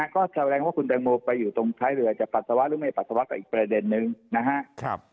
ก็แสดงว่าคุณแตงโมไปอยู่ตรงท้ายเรือจะปัสสาวะหรือไม่ปัสสาวะกับอีกประเด็นนึงนะครับ